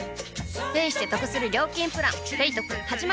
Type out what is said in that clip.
ペイしてトクする料金プラン「ペイトク」始まる！